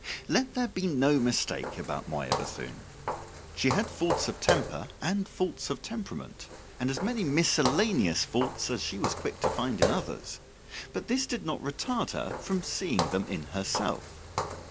Let there be no mistake about Moya Bethune. She had faults of temper, and faults of temperament, and as many miscellaneous faults as she was quick to find in others; but this did not retard her from seeing them in herself.